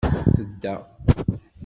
Tedda.